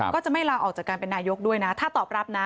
ก็จะไม่ลาออกจากการเป็นนายกด้วยนะถ้าตอบรับนะ